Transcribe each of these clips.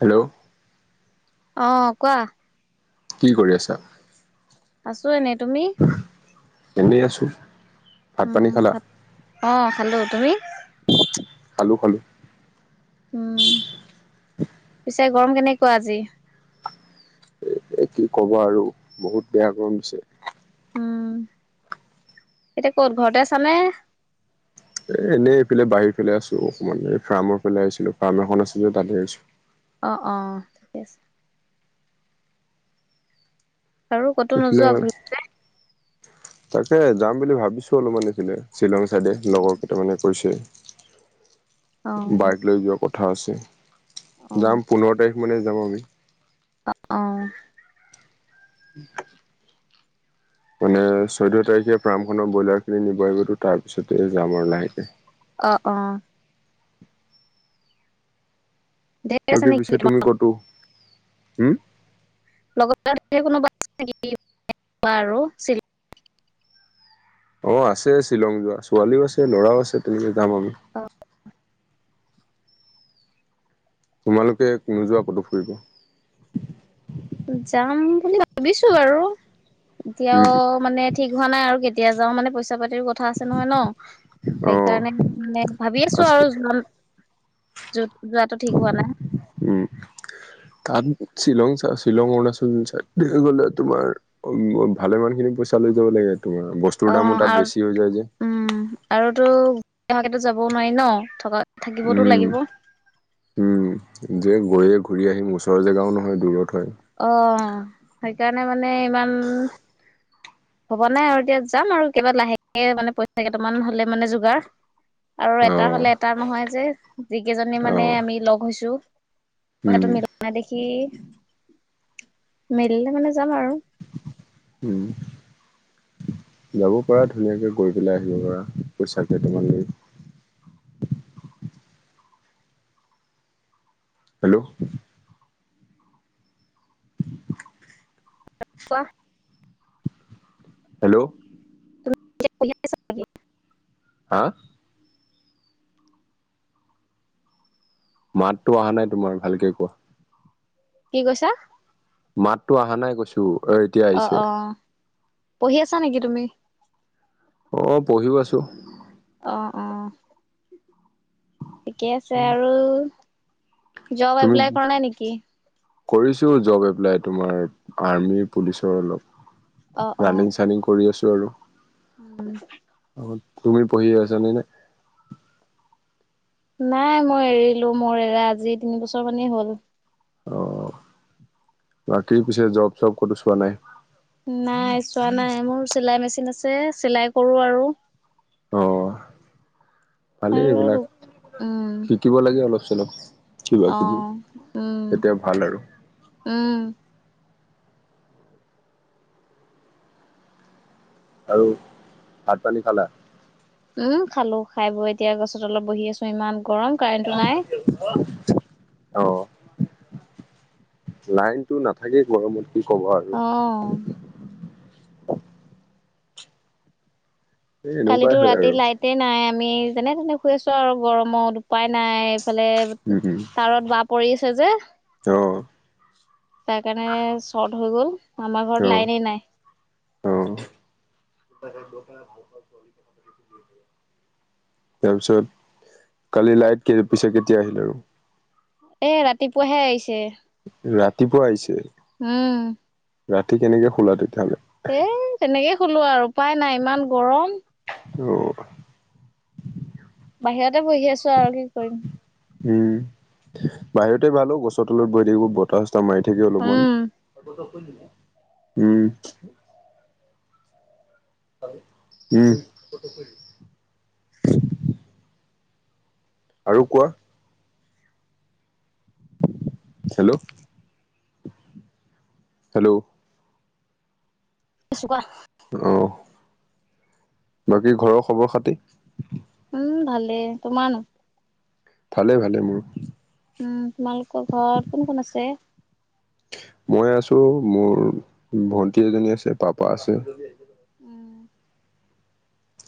Hello, অহ কোৱা। কি কৰি আছা? আছো এনে। [inaudible] এনেই আছো। ভাত পানী উম, খালা? ভাত অহ খালো। তুমি? খালো -খালো। উম, পিছে গৰম কেনেকুৱা আজি? এ কি কবা আৰু বহুত বেয়া গৰম দিছে। উম, এতিয়া ক'ত ঘৰতে আছানে? এ এনেই এইফালে বাহিৰৰ ফালে আছো অকমান এই ফ্ৰামৰ ফালে আহিছিলো ফ্ৰাম এখন আছে যে তাতে আহিছোঁ। অহ - অহ ঠিকে আছে। আৰু কতো এইফালে নোযোৱা ঘূৰিবলে? তাকে যাম বুলি ভাবিছো অলপমান এইফিলে শ্বিলং চাইডে লগৰ কেইটামানে কৈছে। অ বাইক লৈ যোৱা কথা আছে যাম পোন্ধৰ তাৰিখ মানে যাম আমি। অ', - অ', উম মানে চৈধ্য তাৰিখে ফ্ৰাম খনৰ ব্ৰইলাৰ খিনি নিব আহিবতো তাৰপিছতে যাম আৰু লাহেকে। অ', - অ', ধেৰ আছে বাকি পিছে নেকি তোমাৰ তুমি কতো হম? লগত আৰু ধে'ৰ কোনোবা আছে [unintelligible] অহ, আছে শ্বিলং যোৱা ছোৱালীও আছে, ল'ৰাও আছে তেনেকে যাম আমি। তোমালোকে নোযোৱা ক'তো ফুৰিব? যাম বুলি ভাবিছো আৰু উম এতিয়াও মানে ঠিক হোৱা নাই আৰু কেতিয়া যাও মানে পইচা পাতিৰো কথা আছে নহয় ন'? অ' সেইকাৰণে মে ভাবি আছো আছে আৰু [unintelligible] হোৱা নাই [inaudible] উম, তাত শ্বিলং চ শ্বিলং, অৰুণাচল চাইদ পিনে গ'লে তোমাৰ ভালেমান খিনি পইচা লৈ যাব লাগে। তোমাৰ অ বস্তুৰ দামো তাত আৰু বেছি হৈ যায় যে উম [unintelligible] যাবও নোৱাৰি ন' থকা থাকিবতো লাগিব উম- উম যে গৈয়ে ঘূৰি আহিম ওচৰ জেগাও নহয় দূৰত হয়। অ', সেইকাৰণে মানে ইমান ভবা নাই আৰু এতিয়া যাম আৰু কিবা লাহেকে মানে পইচা কেইটামান হলে মানে যোগাৰ। আৰু এটা অ' হলে এটা নহয় যে যিকেইজনী মানে অ' আমি লগ হৈছো। উম মটো মিলা দেখি মিলিলে মানে যাম আৰু। উম যাব পাৰা ধুনীয়াকে গৈ পেলাই আহিব পাৰা পইচা কেইটামান লৈ। হেল্ল' কুৱো? হেল্ল' তুমি কিবা পঢ়ি আছা নিকি? হা মাততো অহা নাই তোমাৰ ভালকে কোৱা? কি কৈছা? মাততো অহা নাই কৈছো এ এতিয়া অ আহিছে। অ পঢ়ি আছা নেকি তুমি? আহ পঢ়িও আছো। অ অ ঠিকে আছে আৰু জব তুমি এপ্লাই কৰা নাই নেকি? কৰিছো জব এপ্লাই তোমাৰ আৰ্মি পুলিচৰ অ অলপ। অ ৰানিং চানিং কৰি আছো আৰু। [inaudible] তুমি পঢ়ি আছ নে নাই? নাই মই এৰিলো মোৰ এৰা আজি তিন বছৰ মানেই হল। অ বাকী পিছে জব চব ক'তো চোৱা নাই? নাই চোৱা নাই মোৰ চিলাই মেচিন আছে চিলাই কৰো আৰু অ ভালেই এইবিলাক আৰু উম শিকিব লাগে অলপ অলপ কিবা অ কিবি উম এতিয়া ভাল আৰু উম আৰু ভাত পানী খালা। উম খালো খাই বৈ এতিয়া গছত অলপ বহি আছো ইমান গৰম কাৰেণ্টটো নাই? অ লাইনতটো নাথাকে গৰমতে অঁহ [unintelligible] এই এনেকুৱাই কালিতো হয় ৰাতি আৰু লাইট নাই? আমি যেনেতেনে শুই আছো আৰু গৰমত উপাই নাই এইফালে উম উম তাৰত বা পৰি আছে যে অ তাৰ কাৰণে শৰ্ট হৈ গল। আমাৰ অ ঘৰত লাইনে নাই। [unintelligible] তাৰ পিছত কালি লাইট পিছে কেতিয়া আহিল আৰু এ ৰাতিপুৱাহে আহিছে। ৰাতিপুৱা আহিছে। উম ৰাতি কেনেকে শুলা তেতিয়াহ'লে এ তেনেকে শুলো আৰু উপায় নাই ইমান গৰম। অ বাহিৰতে বহি আছো আৰু কি কৰিম। উম বাহিৰতে ভালো গছৰ তলত বৈ থাকিব বতাহ মাৰি থাকি অলপমান উম, উম উম আৰু কোৱা? হেল্ল' হেল্ল' এছোপা অহ বাকী ঘৰৰ খবৰ খাতি উম ভালে তোমাৰ ভালে ভালে মোৰো উম তোমালোকৰ ঘৰত কোন কোন আছে? মই আছোঁ মোৰ ভন্টি এজনী আছে পাপা আছে। উম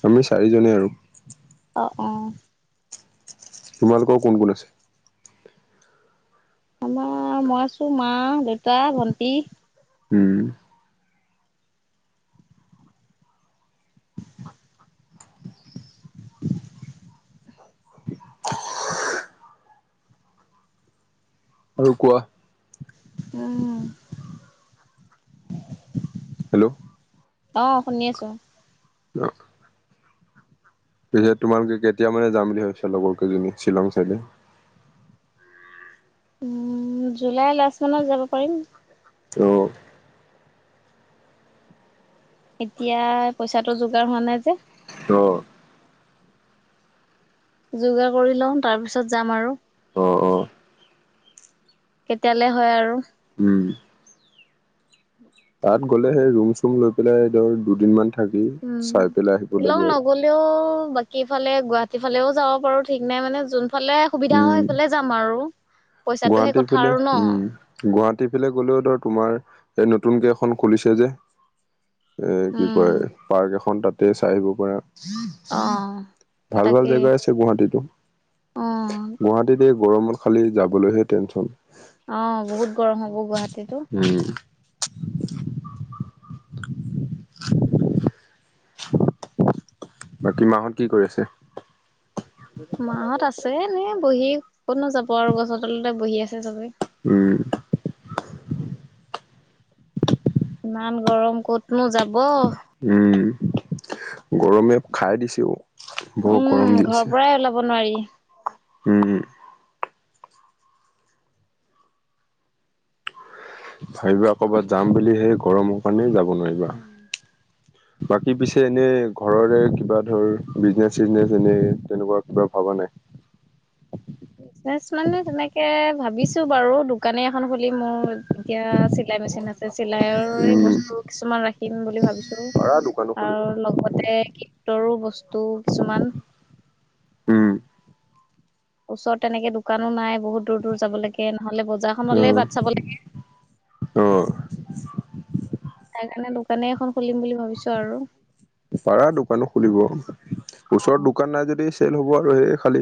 আমি চাৰিজনেই আৰু অহ তোমালোকৰ কোন কোন আছে? আমাৰ মই আছোঁ মা দেউতা ভন্টি উম [unintelligible] [unintelligible] আৰু কোৱা উম হেল্ল' অ শুনি আছোঁ। অ পিছে তোমালোকে কেতিয়া মানে যাম বুলি ভাবিছা লগৰ কেইজনী শ্বিলং চাইডে উম জুলাই লাষ্ট মানত যাব পাৰিম। অ এতিয়া পইচাটো যোগাৰ হোৱা নাই যে অ যোগাৰ কৰি লওঁ তাৰপিছত যাম আৰু অ অ কেতিয়ালে হয় আৰু উম তাত গ'লে সেই ৰুম চুম লৈ পেলাই ধৰ দুদিনমান থ উম লগ নগলেও বাকী ফালে গুৱাহাটী ফালেও যাব পাৰোঁ ঠিক নাই মানে যোনফালে সুবিধা হয় সেইফালে যাম আৰু পইচাটোহে গুৱাহাটীৰ কথা ফালে আৰু ন উম গুৱাহাটী ফালে গলেও ধৰ তোমাৰ এই নতুনকে এখন খুলিছে যে এ কি উম কয় পাৰ্ক এখন তাত তাতে চাই আহিব পাৰা অ ভাল ভাল তাকে জেগাই আছে গুৱাহাটীতো অ গুৱাহাটীত এই গৰমত খালি যাবলৈহে টেনচন অ বহুত গৰম হ'ব গুৱাহাটীতো উম [unintelligible] বাকী মাহঁত কি কৰি আছে‌? মাহঁত আছে এনেয়ে বহি ক'তনো যাব আৰু গছৰ তলতে বহি আছে চবে উম ইমান গৰম ক'তনো যাব উম গৰমে খাই দিছেও বৰ উম গৰম দি ঘৰৰ আছে পৰাই ওলাব নোৱাৰি উম ভাবিবা কৰ'বাত যাম বুলি সেই গৰমৰ কাৰণে যাব নোৱাৰিবা উম বাকী পিছে এনেই ঘৰৰে কিবা ধৰ বিজনেচ চিজনেচ এনে তেনেকুৱা কিবা ভবা নাই [inaudible] বিজনেচ মানে তেনেকে ভাবিছোঁ বাৰু দোকানে এখন খুলিম, মোৰ এতিয়া চিলাই মেচিন আছে চিলাইয়ৰে উম বস্তু কিছুমান ৰাখিম বুলি ভাবিছোঁ পাৰা দোকানো খুলিব। আৰু লগতে কিতৰো বস্তু কিছুমান উম ওচৰত তেনেকে দোকানো নাই বহুত দূৰ দূৰ যাব লাগে নহ'লে বজাৰখনলে অ', বাট চাব লাগে অ', তাৰ কাৰণে দোকানেই এখন খুলিম বুলি ভাবিছোঁ আৰু পাৰা দোকানো খুলিব, অ ওচৰত দোকান নাই যদি ফেইল হ'ব আৰু সেই খালী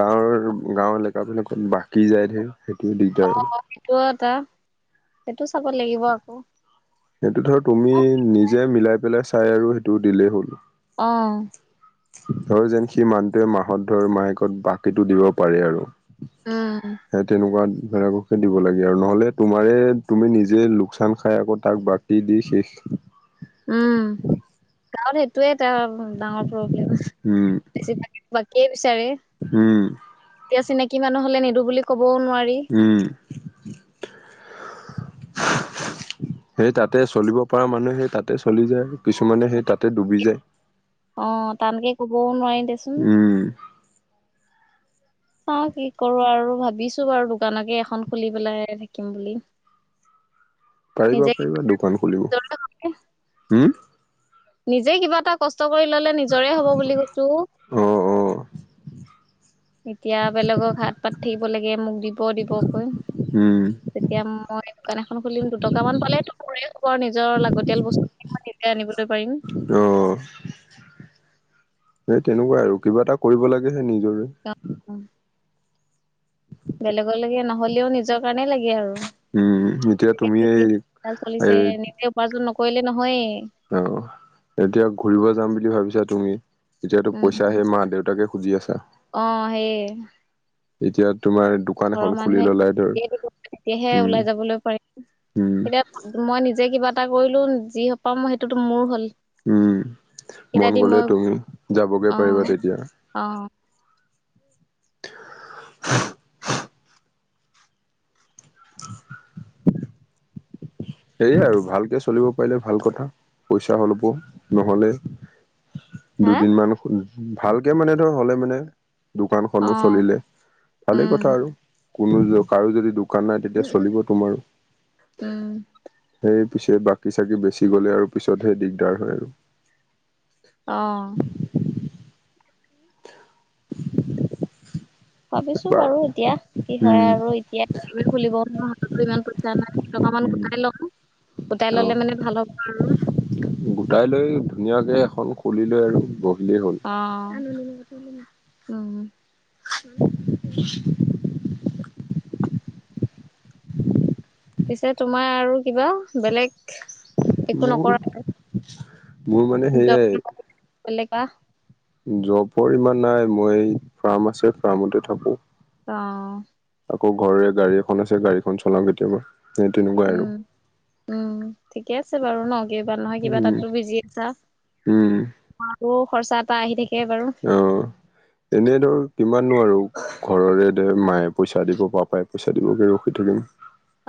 গাঁৱৰ গাঁৱৰ এলেকাবিলাকত বাকী যায় ঢেৰ অ সেইটোও এটা, সেইটো চাব লাগিব আকৌ। সেইটো ধৰ তুমি নিজে মিলাই পেলাই চাই আৰু সেইটো দিলেই হ'ল। আহ আৰু যেন সি মানুটোৱে মাহত ধৰ মাহেকত বাকীটো দিব পাৰে আৰু। উম হে তেনেকুৱা, বেলেগকহে দিব লাগে আৰু নহ'লে তোমাৰে তুমি নিজে লোকচান খাই আকৌ তাক বাকী দি শেষ [inaudible] উম গাঁৱত সেইটোয়ে, এ ডাঙৰ প্ৰব্লেম, উম, বেছি ভাগে বাকীয়ে বিচাৰে। উম, এতিয়া চিনাকি মানুহ হলে নিদো বুলি ক'ব উম সেই তাতে চলিব পৰা মানুহে সেই তাতে চলি যায়। কিছুমানে সেই তাতে ডুবি যায়। অ টানকে কবও নোৱাৰি দেচোন উম [inaudible] চাও কি কৰো আৰু ভাবিছো বাৰু দোকানকে এখন খুলি পেলাই থাকিম বুলি। পাৰিবা নিজে পাৰিবা দোকান খুলিব। নিজৰে হলে হম নিজে কিবা এটা কষ্ট কৰি ললে নিজৰে হব বুলি কৈছো অ অ এতিয়া বেলেগক হাত পাত থাকিব লাগে মোক দিব দিবকৈ উম তেতিয়া মই দোকান এখন খুলিম দুটকা মান পালেটো মোৰে হব আৰু নিজৰ লাগতিয়াল বস্তু তেতিয়া আনিবলৈ পাৰিম। অ [inaudible] সেই তেনেকুৱাই আৰু কিবা এটা কৰিব লাগেহে নিজৰে বেলেগৰলৈকে নহ'লেও নিজৰ কাৰণেই লাগে আৰু উম এতিয়া তুমি এই চলিছে এই নিজে উপাৰ্জন নকৰিলে নহয়েই। অ এতিয়া ঘুৰিব যাম বুলি ভাবিছা তুমি, এতিয়াতো উম পইচা সে মা দেউতাকে খুজি আছা অ সেই এতিয়া তোমাৰ দোকান ঘৰৰ এখন খুলি মানুহে ললাই ধৰ তেতিয়াহে উম ওলাই যাবলৈ পাৰিম। উম এতিয়া মই নিজে কিবা এটা কৰিলো যি পামই সেইটোতো মোৰ হ'ল। উম। কেইটা মন দি গলে মই তুমি যাবগে অ পাৰিবা তেতিয়া। অ [inaudible] সেয়াই আৰু ভালকে চলিব পাৰিলে ভাল কথা, পইচা হলপ নহলে, হা দুদিনমান ভালকে মানে হ'লে মানে অ দোকানখনো চলিলে। ভালেই উম কথা আৰু কোনো কাৰো যদি দোকান নাই তেতিয়া চলিব তোমাৰো। উম পিছে বাকী চাকি বেচি গ'লে আৰু পিছতহে দিগদাৰ হয় আৰু। আহ [inaudible] ভাবিছো বাৰু এতিয়া কি হয় উম আৰু এতিয়া খুলিব নোৱাৰাতো ইমান পইচা নাই। মই মানে উম গোটাই ল‌ওঁ। অ গোটাই লৈ ধুনীয়াকে এখন খুলি লৈ আৰু বহ আহ উম পিছে তোমাৰ আৰু কিবা বেলেগ একো মোৰ নকৰালে মোৰ মানে সেয়াই [unintelligible] জবৰ ইমান নাই মই ফাৰ্ম আছে ফাৰ্মতে থাকো। অ আকৌ ঘৰে গাড়ী এ আছে গাড়ীখন চলাওঁ কেতিয়াবা। তেনেকুৱা উম, আৰু উম ঠিকে আছে বাৰু ন কিবা নহয় কিবা উম তাতো বিজি আছা- উম আৰু খৰচা এটা আহি থাকি। অ এনেই ধৰ, - কিমাননো আৰু ঘৰৰে দে মায়ে পইচা দিব, পাপাই পইচা দিব ৰখি থাকিম।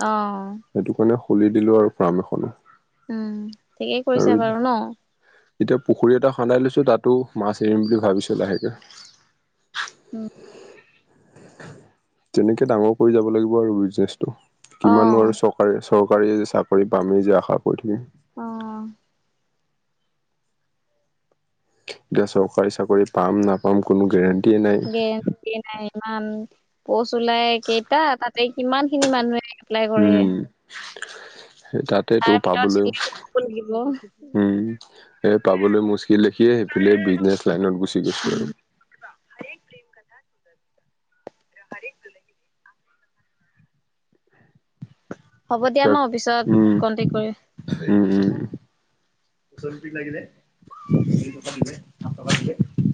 আহ সেইটো কাৰণে খুলি দিলোঁ আৰু ফাৰ্ম এখনে। - উম ঠিকেই কৰিছো বাৰু ন! এতিয়া পুখুৰী এটা খন্দাই লৈছো তাতো মাছ এৰিম বুলি ভাবিছো লাহেকে। উম, তেনেকে ডাঙৰ কৰি যাব লাগিব আৰু বিজনেচটো কিমানো আৰু অ', চৰকাৰে চ চৰকাৰীয়ে যে চাকৰি পামি যে আশা কৰি থাকিম। অ এতিয়া চৰকাৰী চাকৰি পাম নাপাম কোনো গেৰেণ্টি- গেৰেন্টি নাই। পচ ওলাই কেইটা তাতে কিমান খিনি মানুহে, - উম সেই তাতে তাৰ তোৰ ভিতৰত পাবলৈ চিলেক্ট হ'ব লাগিব। উম এ পাবলৈ মোৰ, - লেখিয়ে সেইফালে বিজনেছ লাইনত গুচি গৈছো উম, আৰু। হৰে তলে গৰে [unintelligible] হ'ব দিয়া ন তাক পিছত উম কন্টেক্ট কৰিম। উম উম চপি লে পে পে [unintelligible]